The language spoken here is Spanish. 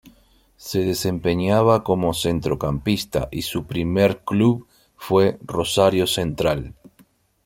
Se desempeñaba como centrocampista y su primer club fue Rosario Central.